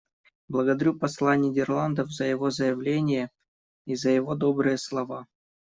Благодарю посла Нидерландов за его заявление и за его добрые слова.